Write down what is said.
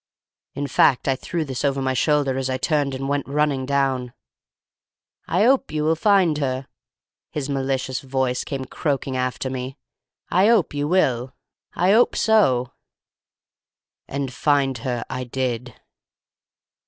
"In fact I threw this over my shoulder as I turned and went running down. "'I 'ope you will find her!' his malicious voice came croaking after me. 'I 'ope you will—I 'ope so.' "And find her I did."